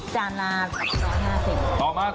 จานละ๑๕๐บาท